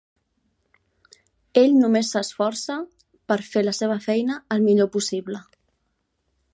Ell només s'esforça per fer la seva feina el millor possible.